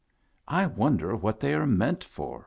" I wonder what they are meant for